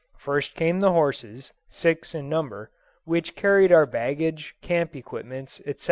First came the horses (six in number), which carried our baggage, camp equipments, etc.